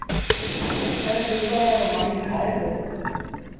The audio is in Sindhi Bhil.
ائيٚݩ ٻپآݩرآرو مآݩيٚ کآئي دو